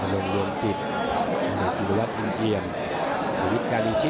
ลงรวมจิตพระเอกยิรวัติอิงเยี่ยมสวิทย์กาลีชิฯ